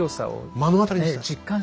目の当たりにした。